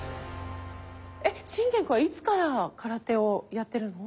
心源くんはいつから空手をやってるの？